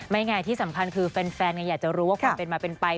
ไงที่สำคัญคือแฟนอยากจะรู้ว่าความเป็นมาเป็นไป